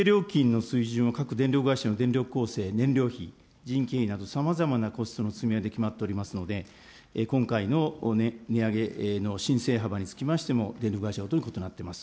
規制料金の各水準の電力こうせい、燃料費、人件費など、さまざまなコストの積み上げで決まっておりますので、今回の値上げの申請幅につきましても電力会社とになっています。